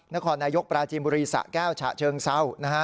นครนายกปราจีนบุรีสะแก้วฉะเชิงเศร้านะฮะ